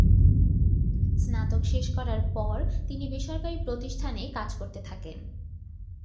স্নাতক শেষ করার পর তিনি বেসরকারি প্রতিষ্ঠানে কাজ করতে থাকেন।